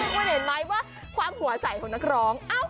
คุณเห็นไหมว่าความหัวใสของนักร้อง